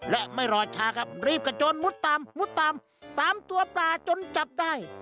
และไม่รอช้าครับรีบกระโจนมุดตามมุดตามตามตัวปลาจนจับได้